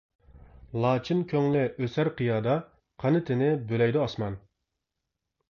لاچىن كۆڭلى ئۆسەر قىيادا، قانىتىنى بۆلەيدۇ ئاسمان.